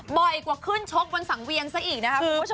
บ่อยกว่าขึ้นชกบนสังเวียนซะอีกนะครับคุณผู้ชม